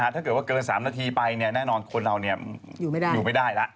ถ้าเกิดว่าเกิน๓นาทีไปแน่นอนคนเราอยู่ไม่ได้แล้ว